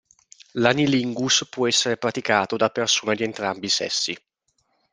L'anilingus può essere praticato da persone di entrambi i sessi.